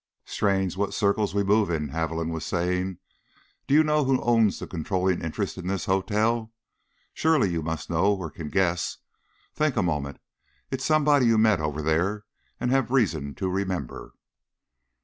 "Strange what circles we move in," Haviland was saying. "Do you know who owns the controlling interest in this hotel? Surely you must know or can guess. Think a moment. It's somebody you met over there and have reason to remember."